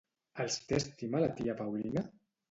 Els té estima la tia Paulina?